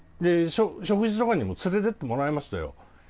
食事とかにも連れて行ってもらいましたよ。